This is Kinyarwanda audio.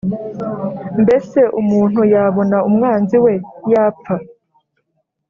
Mbese umuntu yabona umwanzi we yapfa